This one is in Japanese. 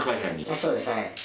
そうです。